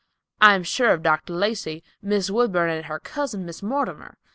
I am sure of Dr. Lacey, Miss Woodburn, and her cousin, Miss Mortimer.